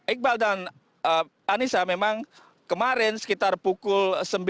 iqbal dan parhanisa memang kemarin sekitar pukul sembilan belas dua puluh